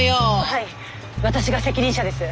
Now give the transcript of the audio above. はい私が責任者です。